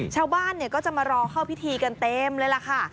ชาวบ้านก็จะมารอเข้าพิธีกันเต็มเลยล่ะค่ะ